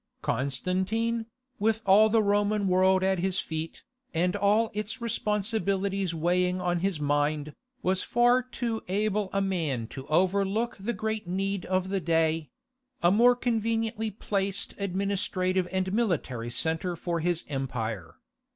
Constantine, with all the Roman world at his feet, and all its responsibilities weighing on his mind, was far too able a man to overlook the great need of the day—a more conveniently placed administrative and military centre for his empire.